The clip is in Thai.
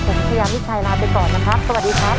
ผมชายามิชัยลาไปก่อนนะครับสวัสดีครับ